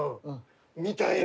みたいな。